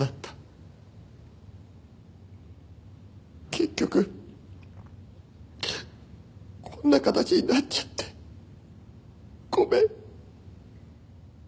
結局こんな形になっちゃってごめん。